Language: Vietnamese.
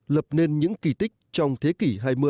lập nên những kỳ tích trong thế kỷ hai mươi